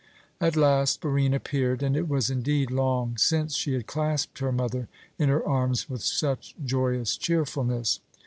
At last Barine appeared, and it was indeed long since she had clasped her mother in her arms with such joyous cheerfulness.